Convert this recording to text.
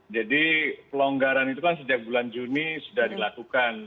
jadi pelonggaran itu kan sejak bulan juni sudah dilakukan